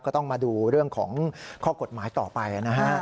ก็ต้องมาดูเรื่องของข้อกฎหมายต่อไปนะฮะ